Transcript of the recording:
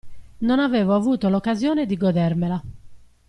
Non avevo avuto l'occasione di godermela.